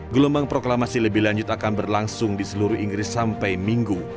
gelombang proklamasi lebih lanjut akan berlangsung di seluruh inggris sampai minggu